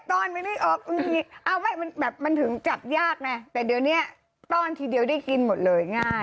ผัดใจแบบมันถึงจับยากไหมแต่เดี๋ยวเนี้ยตอนทีเดียวได้กินหมดเลยง่าย